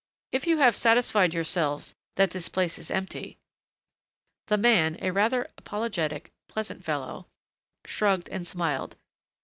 "If you have satisfied yourselves that this place is empty " The man, a rather apologetic, pleasant fellow, shrugged and smiled.